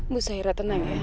bu saira tenang ya